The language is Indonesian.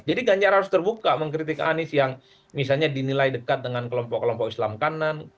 jadi ganjar harus terbuka mengkritik anies yang misalnya dinilai dekat dengan kelompok kelompok islam kanan